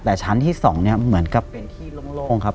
แต่ชั้นที่๒เนี่ยเหมือนกับเป็นที่โล่งครับ